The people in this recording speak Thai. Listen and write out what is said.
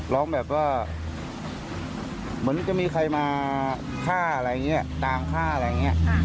ร้องแบบว่าเหมือนจะมีใครมาฆ่าอะไรอย่างนี้ตามฆ่าอะไรอย่างนี้